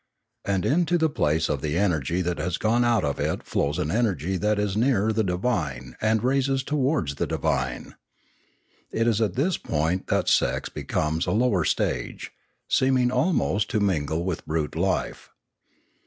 And into the place of the energy that has gone out of it flows an energy that is nearer the divine and raises towards the divine. It is at this point that sex be comes a lower stage, seeming almost to mingle with brute life.